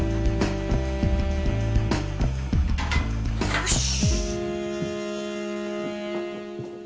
よし。